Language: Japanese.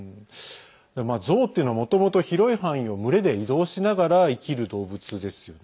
ゾウっていうのは、もともと広い範囲を群れで移動しながら生きる動物ですよね。